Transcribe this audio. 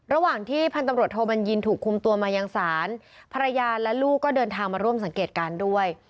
ระหว่างที่พันธุ์ตำรวจโทบัญญินถูกคุมตัวมายังศาลภรรยาและลูกก็เดินทางมาร่วมสังเกตการณ์ด้วย